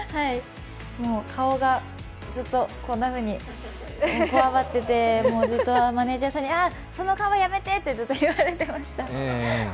顔がずっと、こんなふうにこわばっていて、ずっとマネージャーさんにその顔はやめてってずっと言われてました。